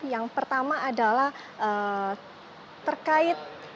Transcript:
yang pertama adalah terkait